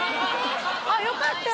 あっよかったね